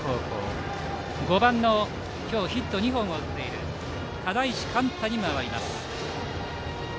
バッターは５番の今日ヒット２本を打っている只石貫太に回ります。